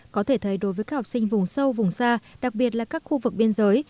có thể thấy đối với các học sinh vùng sâu vùng xa đặc biệt là các khu vực biên giới